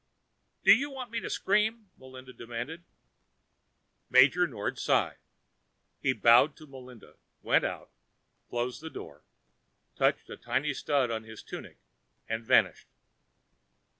"Do you want me to scream?" Melinda demanded. Major Nord sighed. He bowed to Melinda, went out, closed the door, touched a tiny stud on his tunic, and vanished.